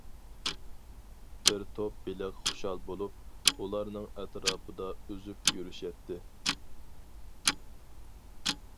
بىر توپ بېلىق خۇشال بولۇپ، ئۇلارنىڭ ئەتراپىدا ئۈزۈپ يۈرۈشەتتى.